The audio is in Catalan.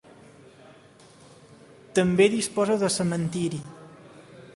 També disposa de cementeri.